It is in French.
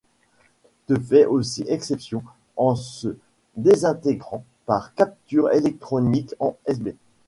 Te fait aussi exception en se désintégrant par capture électronique en Sb.